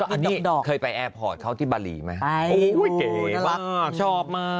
ก็อันนี้เคยไปแอร์พอร์ตเขาที่บาลีมั้ยโอ้โหเก๋น่ารักชอบมาก